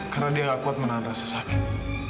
karena dia nggak kuat menahan rasa sakit